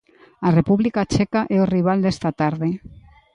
A República Checa é o rival desta tarde.